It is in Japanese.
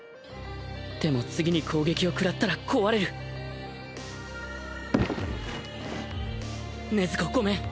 でも次に攻撃を食らったら壊れる禰豆子ごめん。